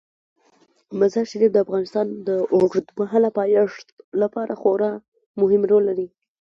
مزارشریف د افغانستان د اوږدمهاله پایښت لپاره خورا مهم رول لري.